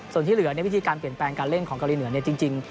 ส่วนที่เหลือวิธีการเปลี่ยนแปลงการเล่นของเกาหลีเหนือจริง